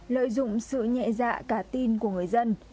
lợi dụng sự nhẹ dạ cả tin của người dân